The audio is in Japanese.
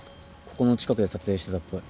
ここの近くで撮影してたっぽい。